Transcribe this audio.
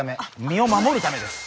身を守るためです。